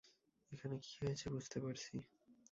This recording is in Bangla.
এখানে কী হয়েছে বুঝতে পারছি।